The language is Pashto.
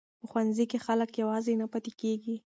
په ښوونځي کې خلک یوازې نه پاتې کیږي.